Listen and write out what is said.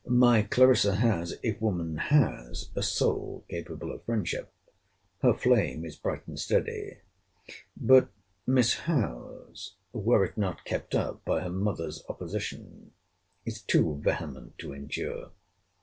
My Clarissa has, if woman has, a soul capable of friendship. Her flame is bright and steady. But Miss Howe's, were it not kept up by her mother's opposition, is too vehement to endure.